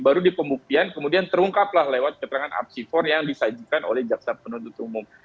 baru di pembuktian kemudian terungkaplah lewat keterangan apsifor yang disajikan oleh jaksa penuntut umum